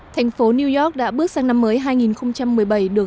thành phố new york đã bước sang năm mới hai nghìn một mươi bảy được